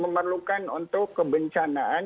memerlukan untuk kebencanaan